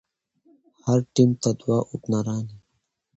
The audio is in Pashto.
هر ټيم ته دوه اوپنران يي.